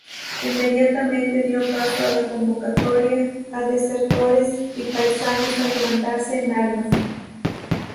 Inmediatamente dio paso a la convocatoria a desertores y paisanos a levantarse en armas.